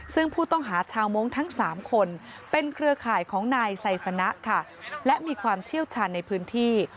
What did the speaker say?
ซึ่งผู้ต้องหาชาวมงค์ทั้ง๓คนเป็นเครือข่ายของนายไซสนะค่ะและมีความเชี่ยวชาญในพื้นที่